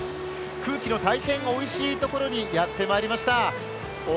空気の大変おいしいところにやってきました。